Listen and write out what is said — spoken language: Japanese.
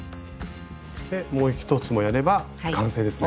そしてもう１つもやれば完成ですね。